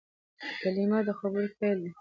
کلیمه د خبرو پیل دئ.